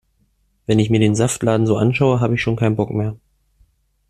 Wenn ich mir den Saftladen so anschaue, hab' ich schon keinen Bock mehr.